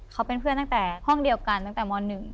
เขาเป็นเพื่อนตั้งแต่ห้องเดียวกันตั้งแต่ม๑